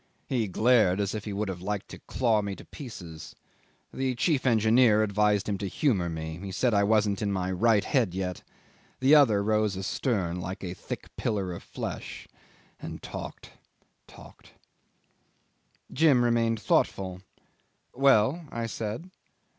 He glared as if he would have liked to claw me to pieces. The chief engineer advised him to humour me. He said I wasn't right in my head yet. The other rose astern, like a thick pillar of flesh and talked talked. ..." 'Jim remained thoughtful. "Well?" I said.